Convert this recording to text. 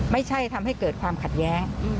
ไม่ใช่ทำให้เกิดความขัดแย้ง